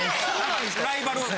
ライバル。